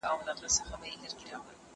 هغه څوک چي کار کوي منظم وي.